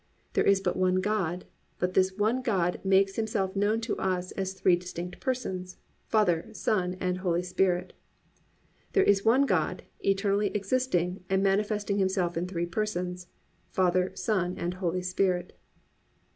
There is but one God, but this one God makes Himself known to us as three distinct Persons—Father, Son and Holy Spirit. There is one God, eternally existing, and manifesting Himself in three Persons—Father, Son and Holy Spirit.